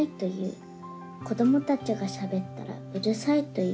子どもたちがしゃべったらうるさいという。